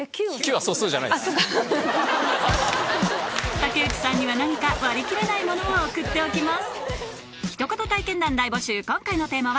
竹内さんには何か割り切れないものを送っておきます